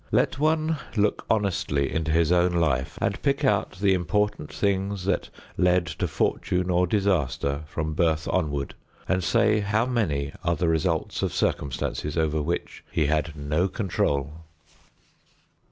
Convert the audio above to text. Let one look honestly into his own life and pick out the important things that lead to fortune or disaster from birth onward, and say how many are the results of circumstances over which he had no control.